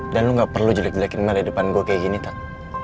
dan lo gak perlu jelek jelekin mel di depan gue kayak gini tat